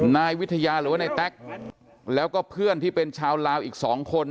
นายวิทยาหรือว่านายแต๊กแล้วก็เพื่อนที่เป็นชาวลาวอีก๒คน